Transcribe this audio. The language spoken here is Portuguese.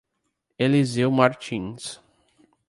Eliseu Martins